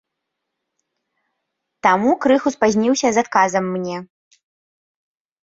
Таму крыху спазніўся з адказам мне.